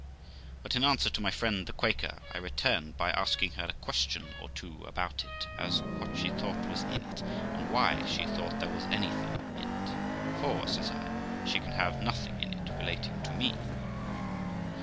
But in answer to my friend the Quaker, J returned by asking her a question or two about it; as what she thought was in it, and why she thought there was anything in it. 'For', says I, 'she can have nothing in it relating to me.'